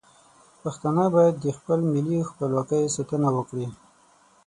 پښتانه باید د خپل ملي خپلواکۍ ساتنه وکړي.